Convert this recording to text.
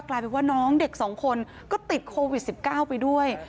กลายเป็นว่าน้องเด็กสองคนก็ติดโควิด๑๙ไปด้วย